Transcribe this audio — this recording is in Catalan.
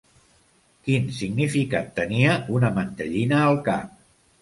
Quin significat tenia una mantellina al cap?